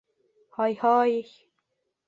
— Һай, һай!